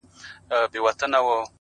عاجزي د لوی انسان نښه ده,